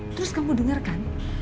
terus kamu denger kan